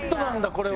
これは。